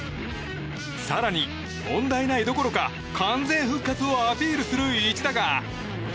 更に、問題ないどころか完全復活をアピールする一打が。